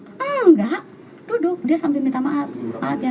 enggak duduk dia sambil minta maaf